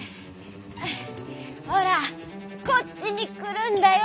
「ほらこっちにくるんだよ！」。